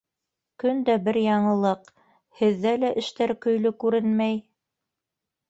Көн дә бер яңылыҡ... һеҙҙә лә эштәр көйлө күренмәй.